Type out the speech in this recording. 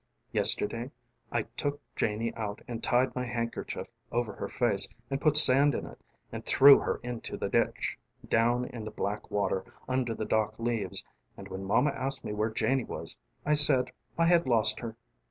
┬Ā┬ĀYesterday ┬Ā┬ĀI took Janie out ┬Ā┬Āand tied my handkerchief over her face ┬Ā┬Āand put sand in it ┬Ā┬Āand threw her into the ditch ┬Ā┬Ādown in the black water ┬Ā┬Āunder the dock leavesŌĆ" ┬Ā┬Āand when mama asked me where Janie was ┬Ā┬ĀI said I had lost her.